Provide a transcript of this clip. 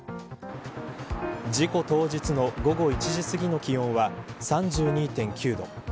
事故当日の午後１時すぎの気温は３２．９度。